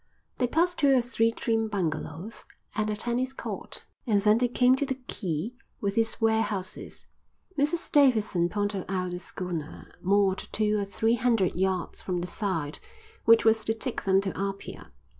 They passed two or three trim bungalows, and a tennis court, and then they came to the quay with its warehouses. Mrs Davidson pointed out the schooner, moored two or three hundred yards from the side, which was to take them to Apia.